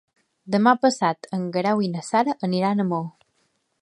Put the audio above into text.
Demà passat en Guerau i na Sara aniran a Maó.